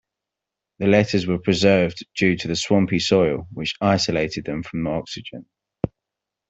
The letters were preserved due to the swampy soil which isolated them from oxygen.